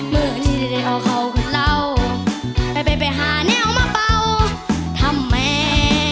เมื่อกันที่ได้ได้เอาเขาคุณเล่าไปไปไปหาเนี่ยเอามาเป่าทำไม